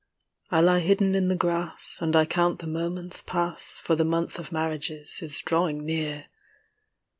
I lie hidden in the grass, And I count the moments pass, For the month of marriages is drawing near.